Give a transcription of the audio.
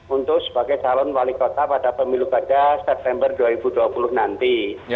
untuk sebagai calon wali kota pada pemilu kada september dua ribu dua puluh nanti